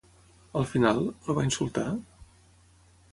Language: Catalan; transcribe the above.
Al final, el va insultar?